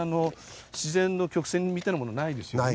自然の曲線みたいなものないですよね。